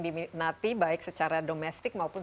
diminati baik secara domestik maupun